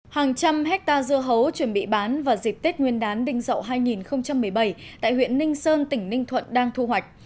hàng trăm hectare dưa hấu chuẩn bị bán vào dịp tết nguyên đán đinh dậu hai nghìn một mươi bảy tại huyện ninh sơn tỉnh ninh thuận đang thu hoạch